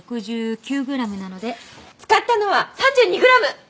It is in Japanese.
使ったのは３２グラム！